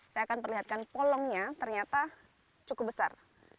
saya akan perlihatkan polongnya ternyata cukup besar